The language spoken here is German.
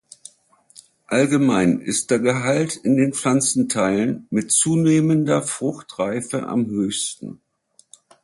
Allgemein ist der Gehalt in den Pflanzenteilen mit zunehmender Fruchtreife am höchsten.